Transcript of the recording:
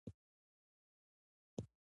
• ژوند د هيلو سره ښکلی دی.